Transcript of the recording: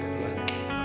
enggak ada masa